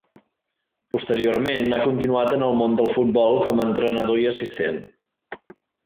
Posteriorment ha continuat en el món del futbol com a entrenador i assistent.